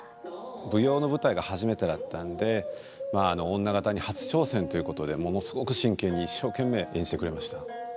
舞踊の舞台が初めてだったんでまあ女方に初挑戦ということでものすごく真剣に一生懸命演じてくれました。